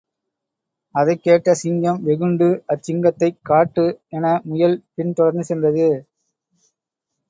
அதைக் கேட்ட சிங்கம் வெகுண்டு, அச்சிங்கத்தைக் காட்டு என முயல் பின் தொடர்ந்து சென்றது.